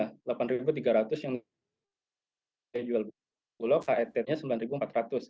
rp delapan tiga ratus yang dijual bulok haeternya rp sembilan empat ratus gitu